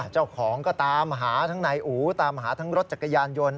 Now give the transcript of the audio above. เจ้าของก็ตามหาทั้งนายอู๋ตามหาทั้งรถจักรยานยนต์